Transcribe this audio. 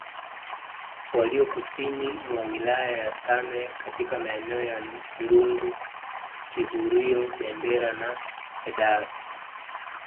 walio kusini mwa wilaya ya Same katika maeneo ya Ndungu Kihurio Bendera na Hedaru